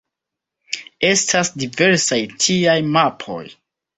Estas diversaj tiaj mapoj.